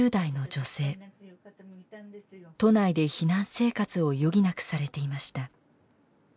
都内で避難生活を余儀なくされていました。